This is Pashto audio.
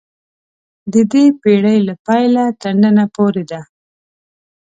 د دې پېړۍ له پیله تر ننه پورې ده.